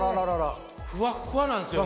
ふわっふわなんですよね。